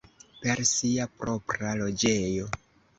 Per sia propra loĝejo.